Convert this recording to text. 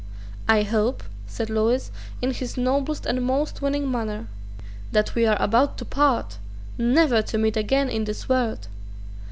"I hope," said Lewis, in his noblest and most winning manner, "that we are about to part, never to meet again in this world.